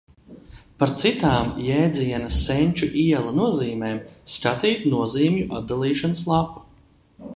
Par citām jēdziena Senču iela nozīmēm skatīt nozīmju atdalīšanas lapu.